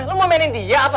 lo mau mainin dia apa